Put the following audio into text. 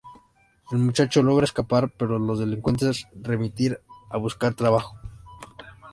El muchacho logra escapar, pero los delincuentes remitir a buscar trabajo.